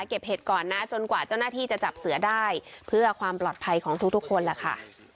เห็ดก่อนนะจนกว่าเจ้าหน้าที่จะจับเสือได้เพื่อความปลอดภัยของทุกคนแหละค่ะ